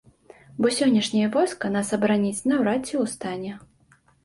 Бо сённяшняе войска нас абараніць наўрад ці ў стане.